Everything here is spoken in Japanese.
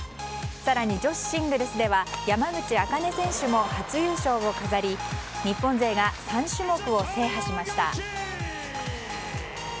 更に、女子シングルスでは山口茜選手も初優勝を飾り日本勢が３種目を制覇しました。